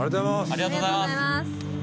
ありがとうございます！